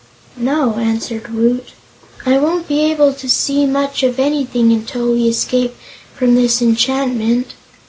"No," answered Woot. "I won't be able to see much of anything until we escape from this enchantment."